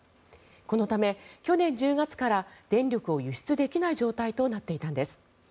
このため去年１０月から電力を輸出できない状態となっていたんです。